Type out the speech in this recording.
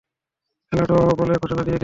খেলা ড্র বলে ঘোষণা দিয়ে দেই?